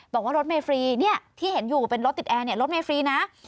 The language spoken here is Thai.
บอกว่ารถเมฟรีเนี่ยที่เห็นอยู่เป็นรถติดแอร์เนี่ยรถเมฟรีนะ